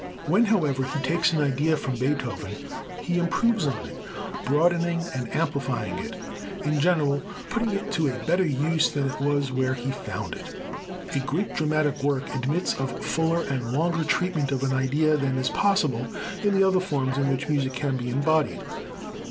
When, however, he takes an idea from Beethoven, he improves on it, broadening and amplifying it, in general putting it to a better use than it was where he found it. A great dramatic work admits of fuller and longer treatment of an idea than is possible in the other forms in which music can be embodied.